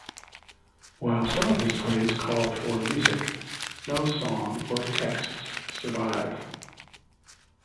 While some of his plays call for music, no songs or texts survive.